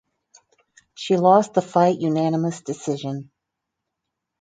She lost the fight unanimous decision.